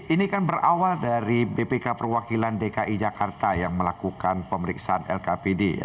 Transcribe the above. ini kan berawal dari bpk perwakilan dki jakarta yang melakukan pemeriksaan lkpd